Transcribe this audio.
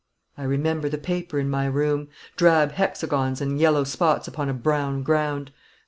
"I remember the paper in my room: drab hexagons and yellow spots upon a brown ground.